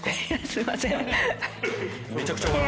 すいません。